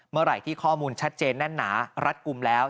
เมื่อไหร่ที่ข้อมูลชัดเจนแน่นหนารัดกลุ่มแล้ว